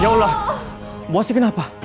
ya allah buasnya kenapa